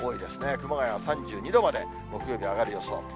熊谷は３２度まで木曜日は上がる予想。